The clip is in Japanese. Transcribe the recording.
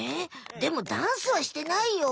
でもダンスはしてないよ。